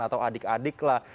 atau adik adik lah